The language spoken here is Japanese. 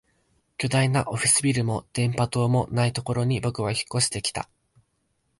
巨大なオフィスビルも電波塔もないところに僕は引っ越してきた